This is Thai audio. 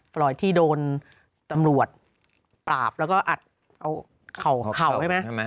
รอยที่โดนตำรวจปราบแล้วก็อัดเอาเข่าใช่ไหม